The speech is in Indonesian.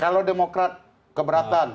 kalau demokrat keberatan